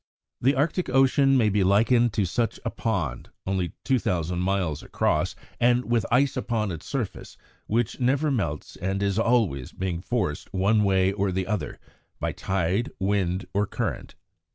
The Arctic Ocean may be likened to such a pond, only two thousand miles across and with ice upon its surface which never melts and is always being forced one way or the other by tide, wind, or current.